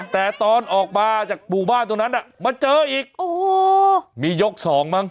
แต่ตอนออกมาจากหมู่บ้านตรงนั้นอ่ะมาเจออีกโอ้โหมียกสองมั้ง